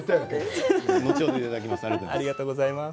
後ほどいただきます。